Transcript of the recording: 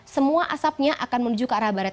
semua asapnya akan menuju ke arah barat